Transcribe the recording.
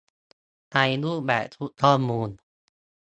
ในรูปแบบชุดข้อมูล